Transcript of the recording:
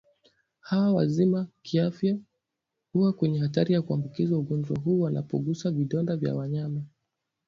hawa wazima kiafya huwa kwenye hatari ya kuambukizwa ugonjwa huu wanapogusa vidonda vya wanyama